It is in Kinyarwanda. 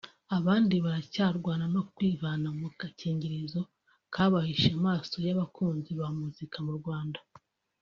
abandi baracyarwana no kwivana mu gakingirizo kabahishe amaso y’abakunzi ba muzika mu Rwanda